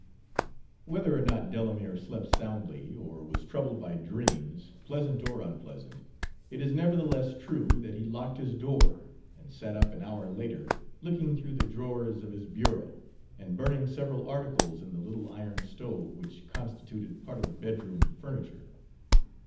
Whether or not Delamere slept soundly, or was troubled by dreams, pleasant or unpleasant, it is nevertheless true that he locked his door, and sat up an hour later, looking through the drawers of his bureau, and burning several articles in the little iron stove which constituted part of the bedroom furniture.